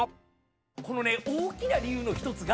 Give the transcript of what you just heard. このね大きな理由の１つが。